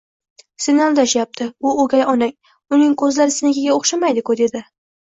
Seni aldashyapti, u o'gay onang, uning ko'zlari senikiga o'xshamaydiku, dedi.